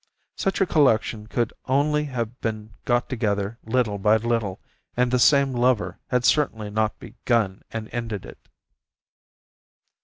Such a collection could only have been got together little by little, and the same lover had certainly not begun and ended it.